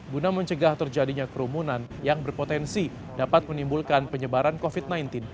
guna mencegah terjadinya kerumunan yang berpotensi dapat menimbulkan penyebaran covid sembilan belas